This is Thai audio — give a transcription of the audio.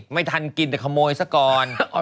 ไม่ทันกินแต่ขโมยซะก่อน